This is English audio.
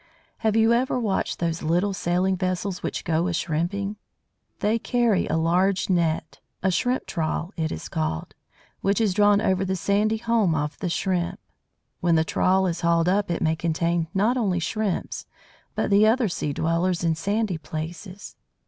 Have you ever watched those little sailing vessels which go a shrimping? They carry a large net a shrimp trawl, it is called which is drawn over the sandy home of the Shrimp. When the trawl is hauled up it may contain not only Shrimps, but the other dwellers in sandy places.